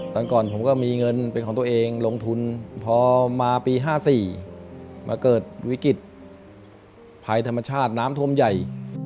ตอนก่อนผมก็มีเงินเป็นของตัวเองลงทุนพอมาปี๕๔มาเกิดวิกฤตภัยธรรมชาติน้ำท่วมใหญ่